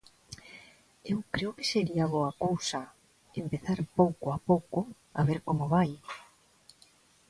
Eu creo que sería boa cousa, empezar pouco a pouco a ver como vai.